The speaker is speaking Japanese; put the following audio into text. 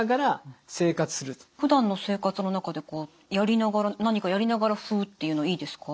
ふだんの生活の中でこうやりながら何かやりながらフッていうのいいですか？